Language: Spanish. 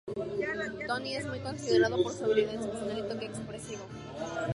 Tony es muy considerado por su habilidad excepcional y toque expresivo.